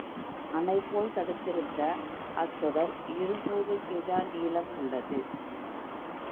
அணைபோல் தடுத்திருந்த அத் தொடர் இருநூறு கெஜ நீளம் உள்ளது.